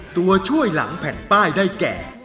ตัวช่วยหลังแผ่นป้ายได้แก่